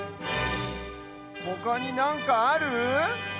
ほかになんかある？